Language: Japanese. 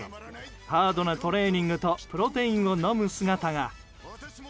ハードなトレーニングとプロテインを飲む姿が。